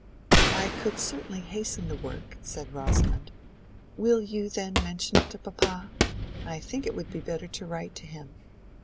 "I could certainly hasten the work," said Rosamond. "Will you, then, mention it to papa?—I think it would be better to write to him."